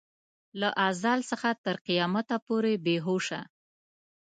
له ازل څخه تر قیامته پورې بې هوشه.